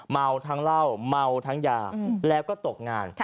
เมาทั้งเหล้าเมาทั้งยาแล้วก็ตกงาน